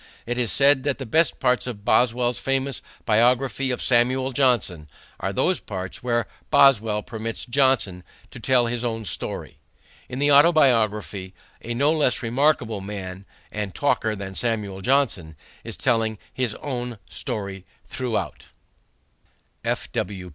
It is said that the best parts of Boswell's famous biography of Samuel Johnson are those parts where Boswell permits Johnson to tell his own story. In the Autobiography a no less remarkable man and talker than Samuel Johnson is telling his own story throughout.